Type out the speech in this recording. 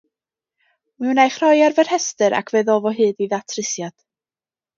Mi wna i'ch rhoi ar fy rhestr ac fe ddof o hyd i ddatrysiad.